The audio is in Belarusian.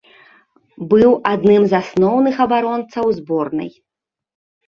Быў адным з асноўных абаронцаў зборнай.